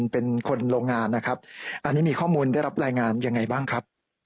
เป็นคนโรงงานนะครับอันนี้มีข้อมูลได้รับรายงานยังไงบ้างครับ